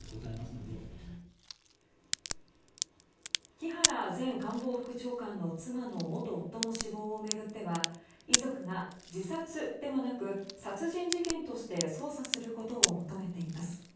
木原前官房副長官の妻の元夫の死亡を巡っては遺族が自殺ではなく殺人事件として捜査することを求めています。